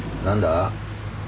何だ？